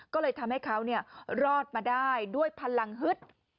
ก็เลยทำให้เขารอดมาได้ด้วยพลังฮึด